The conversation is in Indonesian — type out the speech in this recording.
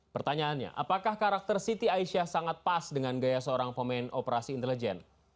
pertanyaannya apakah karakter siti aisyah sangat pas dengan gaya seorang pemain operasi intelijen